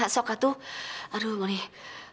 sokatu aduh mulih